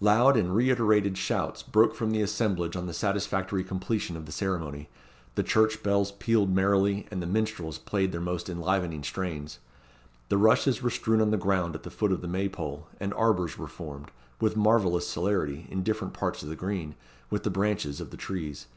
Loud and reiterated shouts broke from the assemblage on the satisfactory completion of the ceremony, the church bells pealed merrily, and the minstrels played their most enlivening strains. The rushes were strewn on the ground at the foot of the May pole, and arbours were formed, with marvellous celerity, in different parts of the green, with the branches of the trees.